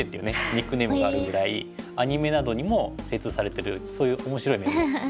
ニックネームがあるぐらいアニメなどにも精通されてるそういう面白い面がある先生ですね。